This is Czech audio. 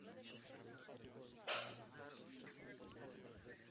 Každé úterý večer od května do října se koná trh místních zemědělců.